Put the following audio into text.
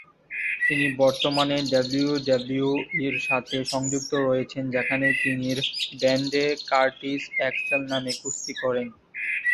তিনি বর্তমানে ডাব্লিউডাব্লিউইর সাথে সংযুক্ত রয়েছেন, যেখানে তিনি র ব্র্যান্ডে কার্টিস এক্সেল নামে কুস্তি করেন।